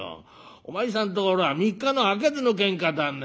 お前さんところは三日のあげずのけんかだね。